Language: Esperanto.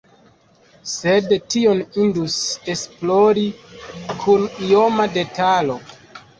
Sed tion indus esplori kun ioma detalo.